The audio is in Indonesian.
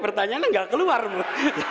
pertanyaannya tidak terlalu banyak